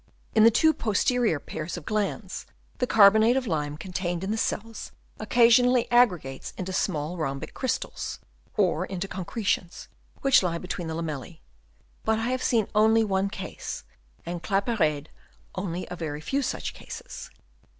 In the two posterior pairs of glands the carbonate of lime contained in the cells oc casionally aggregates into small rhombic crystals or into concretions, which lie be tween the lamellae; but I have seen only one case, and Claparede only a very few such cases.